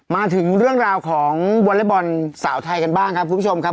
มาถึงเรื่องราวของวอเล็กบอลสาวไทยกันบ้างครับคุณผู้ชมครับ